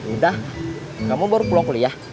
udah kamu baru pulang kuliah